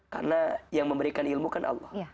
karena yang memberikan ilmu kan allah